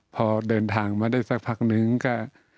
พอเดินทางมาได้สักพักนึงก็